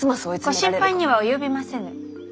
ご心配には及びませぬ。